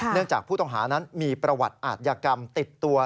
จากผู้ต้องหานั้นมีประวัติอาทยากรรมติดตัว